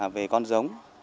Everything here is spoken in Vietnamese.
về con giống